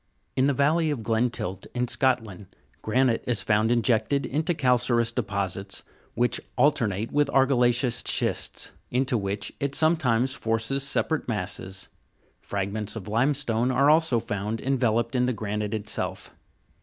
20. In the valley of Glen Tilt, in Scotland, granite is found injected into calcareous deposits, which alternate with argilla'ceous schists (Jig> 284), into which it sometimes forces separate masses (); fragments of limestone (6) are also found enveloped in the granite itself.